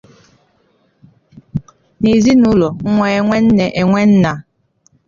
N’ezinaụlọ nwa enwe nne enwe nna a